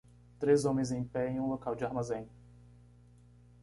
três homens em pé em um local de armazém.